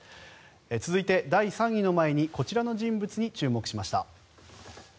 続いて、第３位の前にこちらの人物に注目しました。